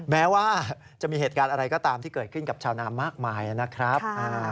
แม้ว่าจะมีเหตุการณ์อะไรก็ตามที่เกิดขึ้นกับชาวนามากมายนะครับ